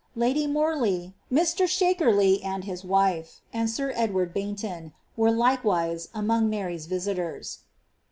Lady Mor* ley, Mr. Shakerley, and his wife, and sir Edward Baynion, were likfr wise among Mary's visitors.